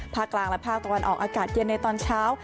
กลางและภาคตะวันออกอากาศเย็นในตอนเช้า